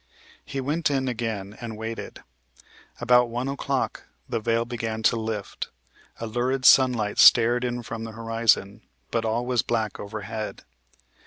He went in again, and waited. About one o'clock the veil began to lift; a lurid sunlight stared in from the horizon, but all was black overhead.